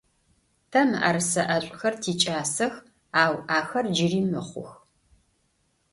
Тэ мыӏэрысэ ӏэшӏухэр тикӏасэх, ау ахэр джыри мыхъух.